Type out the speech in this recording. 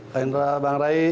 hendra bang rai